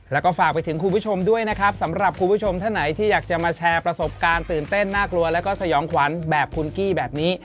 แล้วก็ฝากไปถึงคุณผู้ชมด้วยนะครับสำหรับคุณผู้ชมท่านไหนที่อยากจะมาแชร์ประสบการณ์ตื่นเต้นน่ากลัวแล้วก็สยองขวัญแบบคุณกี้แบบนี้